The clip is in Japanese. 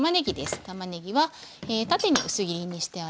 たまねぎは縦に薄切りにしてあります。